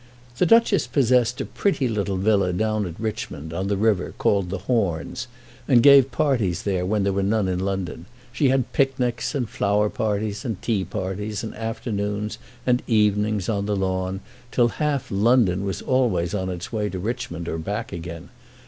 The Duchess possessed a pretty little villa down at Richmond, on the river, called The Horns, and gave parties there when there were none in London. She had picnics, and flower parties, and tea parties, and afternoons, and evenings, on the lawn, till half London was always on its way to Richmond or back again.